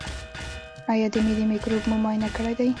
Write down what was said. ایا د معدې مکروب مو معاینه کړی دی؟